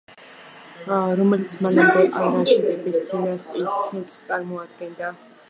რომელიც მანამდე ალ რაშიდების დინასტიის ცენტრს წარმოადგენდა.